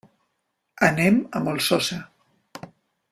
Anem a la Molsosa.